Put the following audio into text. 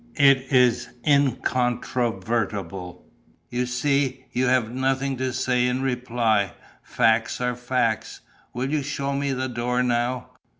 It is in con tro ver tible. You see, you have nothing to say in reply. Facts are facts.... Will you show me the door now?